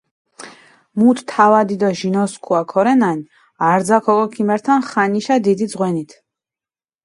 მუთ თავადი დო ჟინოსქუა ქორენან, არძაქ ოკო ქიმერთან ხანიშა დიდი ძღვენით.